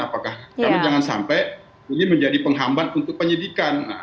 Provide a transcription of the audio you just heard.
apakah kami jangan sampai ini menjadi penghambat untuk penyidikan